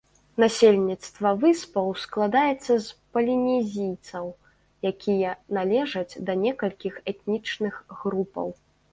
Насельніцтва выспаў складаецца з палінезійцаў, якія належаць да некалькіх этнічных групаў.